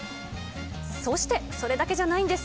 そしてそれだけじゃないんです。